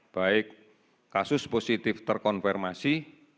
baik kasus positif terkonfirmasi